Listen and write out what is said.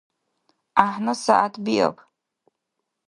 ГӀяхӀна сягӀят биаб!